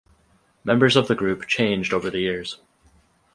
Members of the group changed over the years.